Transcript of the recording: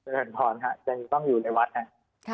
เผินผ่อนค่ะยังต้องอยู่ในวัดค่ะ